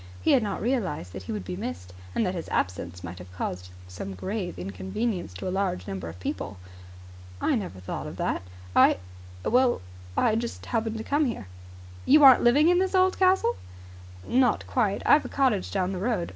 He had not realized that he would be missed, and that his absence might have caused grave inconvenience to a large number of people. "I never thought of that. I well, I just happened to come here." "You aren't living in this old castle?" "Not quite. I've a cottage down the road.